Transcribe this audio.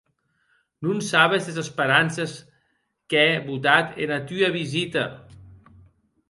Non sabes es esperances qu'è botat ena tua visita!